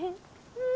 うん。